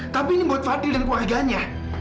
tapi ini buat fadil dan keluarganya